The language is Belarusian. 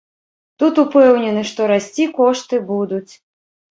Тут упэўнены, што расці кошты будуць.